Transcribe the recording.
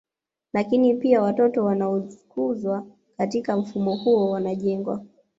Lakini pia watoto wanaokuzwa katika mfumo huo wanajengwa